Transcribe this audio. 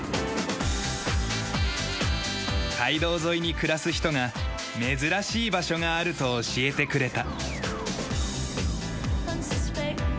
街道沿いに暮らす人が珍しい場所があると教えてくれた。